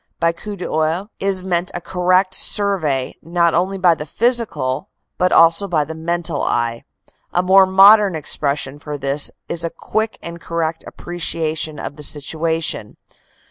By coup d oeil is meant a correct survey not only by the physical but also by the mental eye. A more modern expression for this is a quick and correct appreciation of the situation.